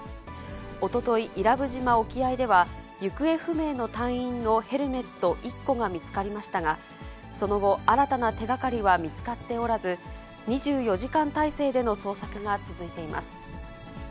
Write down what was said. おととい、伊良部島沖合では、行方不明の隊員のヘルメット１個が見つかりましたが、その後、新たな手がかりは見つかっておらず、２４時間態勢での捜索が続いています。